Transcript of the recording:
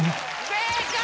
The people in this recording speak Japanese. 正解！